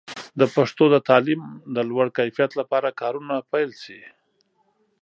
د پښتو د تعلیم د لوړ کیفیت لپاره کارونه پیل شي.